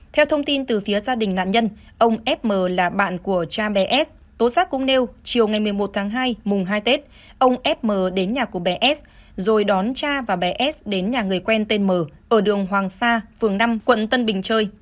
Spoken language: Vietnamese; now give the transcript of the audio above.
theo thông tin từ phía gia đình nạn nhân ông fm là bạn của cha mẹ s tố giác cũng nêu chiều ngày một mươi một tháng hai mùng hai tết ông fm đến nhà của bé s rồi đón cha và bé s đến nhà người quen tên m ở đường hoàng sa phường năm quận tân bình chơi